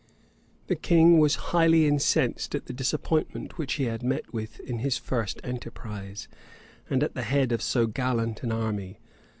The king was highly incensed at the disappointment which he had met with in his first enterprise, and at the head of so gallant an army.